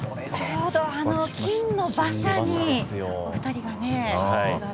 ちょうど金の馬車にお二人がね。